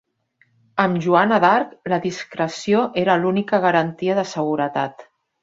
Amb Joana d'Arc la discreció era l'única garantia de seguretat.